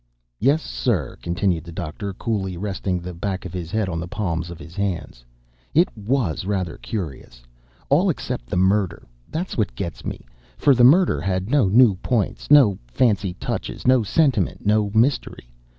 "Yes, sir," continued the Doctor, coolly resting the back of his head on the palms of his hands, "it WAS rather curious. All except the murder. THAT'S what gets me, for the murder had no new points, no fancy touches, no sentiment, no mystery.